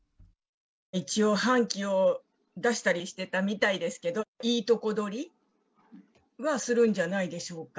一応半旗を出したりしてたみたいですけど、いいとこ取りはするんじゃないでしょうか。